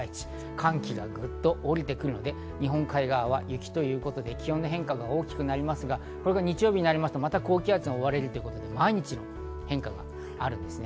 寒気がグッと降りてくるので日本海側は雪ということで、気温の変化が大きくなりますが、日曜日になるとまた高気圧に覆われて、毎日変化があるんですね。